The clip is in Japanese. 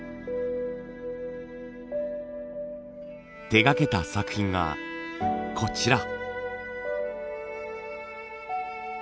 手がけた作品がこちら。